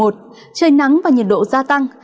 trời nắng và nhiệt độ gia tăng